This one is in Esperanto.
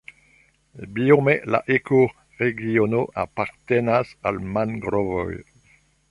Biome la ekoregiono apartenas al mangrovoj.